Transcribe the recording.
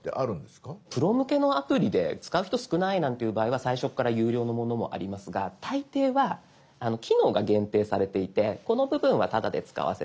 プロ向けのアプリで使う人少ないなんていう場合は最初から有料のものもありますが大抵は機能が限定されていて「この部分はタダで使わせてあげるよ」。